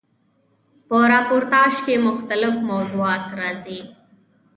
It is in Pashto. په راپورتاژ کښي مختلیف موضوعات راځي.